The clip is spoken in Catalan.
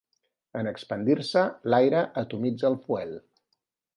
En expandir-se, l'aire atomitza el fuel.